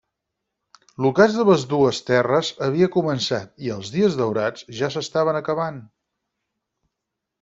L'ocàs de les Dues Terres havia començat, i els dies daurats ja s'estaven acabant.